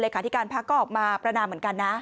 เลยค่ะที่การพักก็ออกมาประนามเหมือนกันนะ